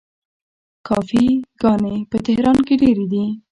کافې ګانې په تهران کې ډیرې دي.